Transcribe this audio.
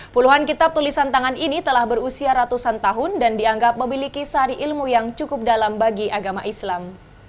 puluhan kitab tulisan tangan ini telah berusia ratusan tahun dan dianggap memiliki sari ilmu yang cukup dalam bagi agama islam